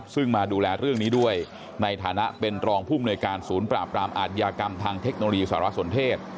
ซึ่งมาดูแลเรื่องนี้ด้วยในฐานะเป็นรองภูมิหน่วยการศูนย์ปราบรามอาทยากรรมทางเทคโนโลยีสารสนเทศ